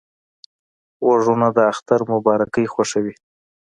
غوږونه د اختر مبارکۍ خوښوي